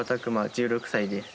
１６歳です。